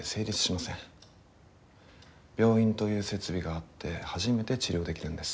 病院という設備があって初めて治療できるんです。